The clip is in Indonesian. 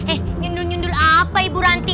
eh nyundul nyendul apa ibu ranti